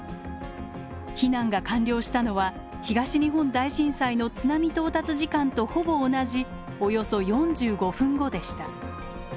避難が完了したのは東日本大震災の津波到達時間とほぼ同じおよそ４５分後でした。